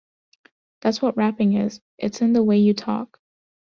That's what rapping is, it's in the way you talk.